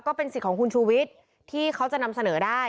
ก็เป็นสิทธิ์ของคุณชูวิทย์ที่เขาจะนำเสนอได้